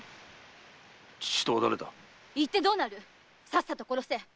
言ってどうなる⁉さっさと殺せ！